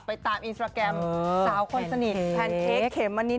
ไปตามอีนสตราแก็มล์นอกข้าวข้าวที่สนิท